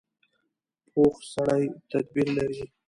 پوخ سړی تدبیر لري